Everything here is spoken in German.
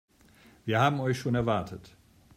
Wir haben euch schon erwartet.